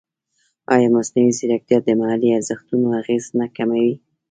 ایا مصنوعي ځیرکتیا د محلي ارزښتونو اغېز نه کموي؟